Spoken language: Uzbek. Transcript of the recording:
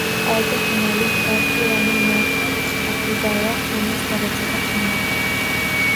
Olti xonali kvartiraning narxi aqlbovar qilmas darajada qimmat